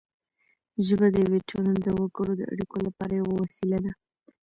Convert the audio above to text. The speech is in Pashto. ژبه د یوې ټولنې د وګړو د اړیکو لپاره یوه وسیله ده